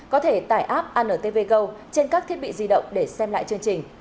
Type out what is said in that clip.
có thể tải app antv go trên các thiết bị di động để xem lại chương trình